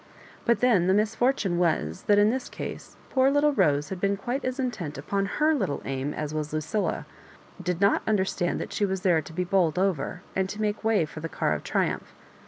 But then the misfortune was, that in this case poor little Rose had been quite as intent upon her little aim as was Lucilla, and did not under stand that she was there to be bowled over, and to make way for the car of triumph.